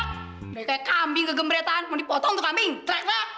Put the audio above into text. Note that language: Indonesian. nggak kayak kambing kegembretan mau dipotong tuh kambing teriak teriak